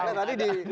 ada tadi di